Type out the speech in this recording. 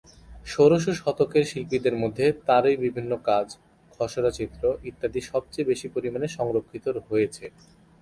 ষোড়শ শতকের শিল্পীদের মধ্যে তারই বিভিন্ন কাজ, খসড়া চিত্র ইত্যাদি সবচেয়ে বেশি পরিমাণে সংরক্ষিত হয়েছে।